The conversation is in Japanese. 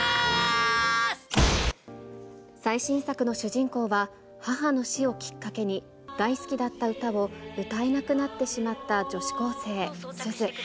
最新作の主人公は、母の死をきっかけに、大好きだった歌を歌えなくなってしまった女子高生、すず。